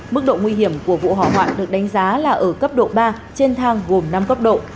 mức độ nguy hiểm của vụ hỏa hoạn được đánh giá là ở cấp độ ba trên thang gồm năm cấp độ